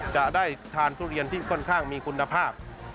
จะได้ทานทุเรียนที่ค่อนข้างมีคุณภาพ